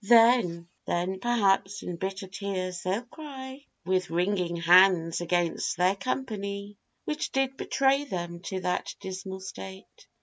Then, then, perhaps, in bitter tears they'll cry, With wringing hands, against their company, Which did betray them to that dismal state!